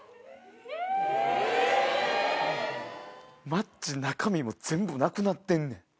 マッチ中身もなくなってんねん。